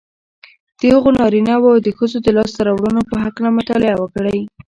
د هغو نارینهوو او ښځو د لاسته رواړنو په هکله مطالعه وکړئ